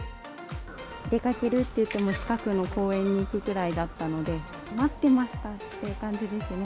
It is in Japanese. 出かけるっていっても近くの公園に行くぐらいだったので、待ってましたって感じですね。